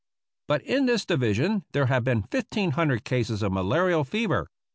But in this division there have been 1,500 cases of malarial fever.